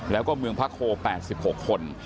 แล้วก็เมืองพระโค๘๖คน